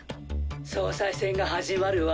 総裁選が始まるわ。